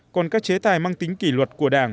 còn các chế tài mang tính kỷ luật của đảng